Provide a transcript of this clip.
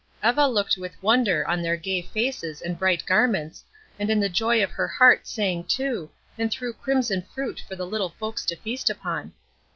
Eva looked with wonder on their gay faces and bright garments, and in the joy of her heart sang too, and threw crimson fruit for the little folks to feast upon.